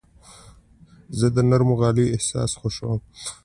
زه د نرمو غالیو احساس خوښوم.